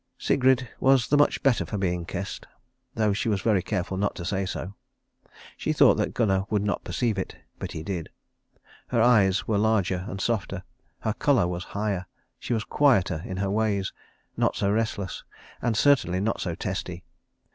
Sigrid was much the better for being kissed, though she was very careful not to say so. She thought that Gunnar would not perceive it, but he did. Her eyes were larger and softer; her colour was higher; she was quieter in her ways, not so restless, and certainly not so testy.